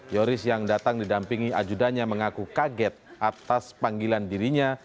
yoris yang datang didampingi ajudannya mengaku kaget atas panggilan dirinya